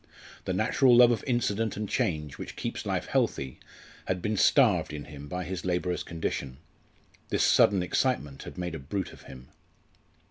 The natural love of incident and change which keeps life healthy had been starved in him by his labourer's condition. This sudden excitement had made a brute of him.